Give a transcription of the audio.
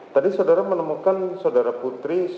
tadi saudara menemukan saudara putri